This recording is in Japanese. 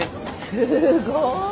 すごい！